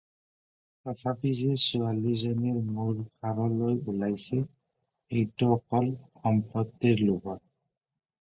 তথাপি যে ছোৱালীজনীৰ মূৰ খাৰলৈ ওলাইছে, সেইটো অকল সম্পত্তিৰ লোভত।